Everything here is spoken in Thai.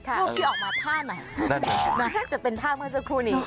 รูปที่ออกมาท่าไหนน่าจะเป็นท่าเมื่อสักครู่นี้